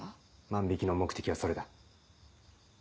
万引の目的はそれだ。